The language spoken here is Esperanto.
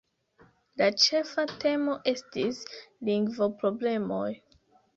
La ĉefa temo estis lingvo-problemoj.